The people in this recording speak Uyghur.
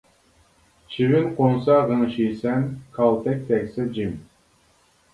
چىۋىن قونسا غىڭشىيسەن، كالتەك تەگسە جىم.